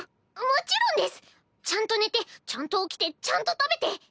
もちろんです！ちゃんと寝てちゃんと起きてちゃんと食べて。